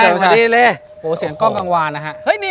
อ่าวสวัสดีครับอาจารย์วันไหว